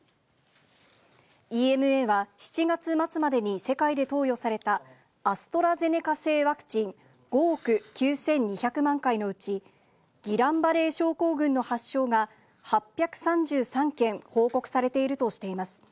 ＥＭＡは７月末までに世界で投与されたアストラゼネカ製ワクチン５億９２００万回のうち、ギラン・バレー症候群の発症が８３３件報告されているとしています。